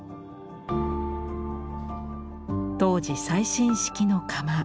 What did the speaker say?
当時最新式の窯。